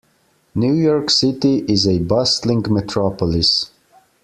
New York City is a bustling metropolis.